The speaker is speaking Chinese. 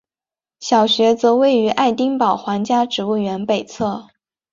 小学则位于爱丁堡皇家植物园北侧。